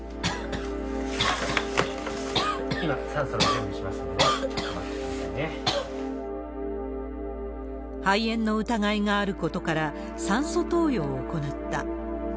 今、酸素の準備しますので、肺炎の疑いがあることから、酸素投与を行った。